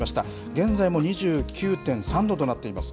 現在も２９．３度となっています。